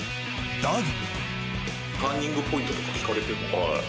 だが。